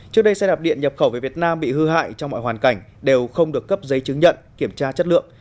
trước đây xe đạp điện nhập khẩu về việt nam bị hư hại trong mọi hoàn cảnh đều không được cấp giấy chứng nhận kiểm tra chất lượng